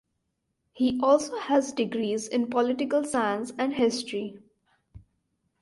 He also has degrees in political science and history.